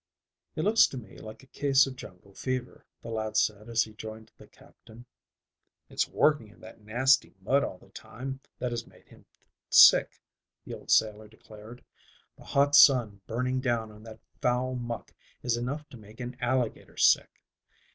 "It looks to me like a case of jungle fever," the lad said as he joined the Captain. "It's working in that nasty mud all the time that has made him sick," the old sailor declared. "The hot sun burning down on that foul muck is enough to make an alligator sick.